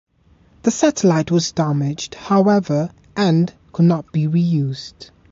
The satellite was damaged, however, and could not be reused.